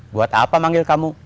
buat apa manggil kamu